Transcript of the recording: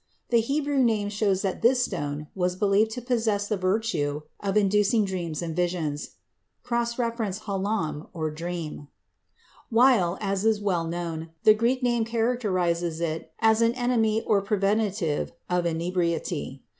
The Hebrew name shows that this stone was believed to possess the virtue of inducing dreams and visions (cf. halom—"dream"), while, as is well known, the Greek name characterizes it as an enemy or preventive of inebriety.